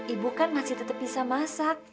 ibu kan masih tetap bisa masak